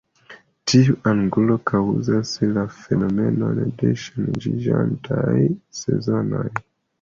Tiu angulo kaŭzas la fenomenon de ŝanĝiĝantaj sezonoj.